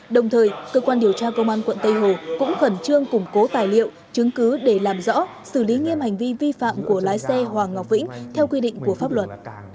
đồng thời cơ quan điều tra công an quận tây hồ cũng khẩn trương củng cố tài liệu chứng cứ để làm rõ xử lý nghiêm hành vi vi phạm của lái xe hoàng ngọc vĩnh theo quy định của pháp luật